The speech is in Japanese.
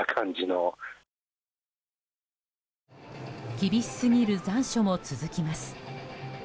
厳しすぎる残暑も続きます。